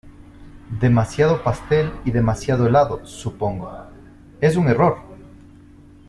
Demasiado pastel y demasiado helado, supongo. ¡ es un error!